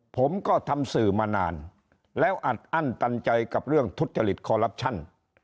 ผมก็ทำสื่อมานานแล้วอัดอั้นตันใจกับเรื่องทุจริตคอลลับชั่น